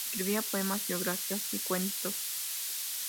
Escribía poemas, biografías y cuentos.